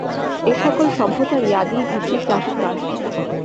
এ সকল সভ্যতারই আদি ভিত্তি চাষবাস।